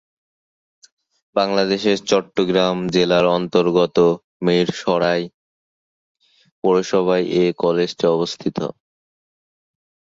বাংলাদেশের চট্টগ্রাম জেলার অন্তর্গত মীরসরাই পৌরসভায় এ কলেজটি অবস্থিত।